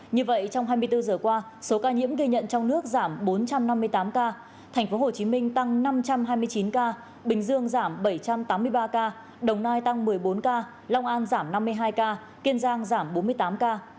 như vậy trong hai mươi bốn giờ qua số ca nhiễm ghi nhận trong nước giảm bốn trăm năm mươi tám ca tp hcm tăng năm trăm hai mươi chín ca bình dương giảm bảy trăm tám mươi ba ca đồng nai tăng một mươi bốn ca long an giảm năm mươi hai ca kiên giang giảm bốn mươi tám ca